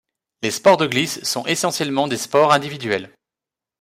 Les sports de glisse sont essentiellement des sports individuels.